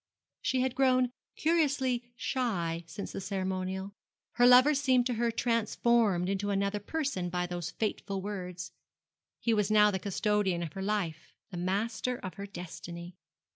She had grown curiously shy since the ceremonial. Her lover seemed to her transformed into another person by those fateful words. He was now the custodian of her life, the master of her destiny.